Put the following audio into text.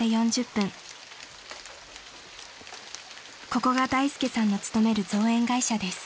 ［ここが大介さんの勤める造園会社です］